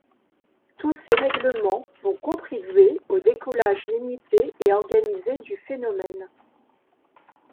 Tous ces règlements vont contribuer au décollage limité et organisé du phénomène.